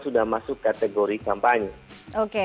sudah masuk kategori kampanye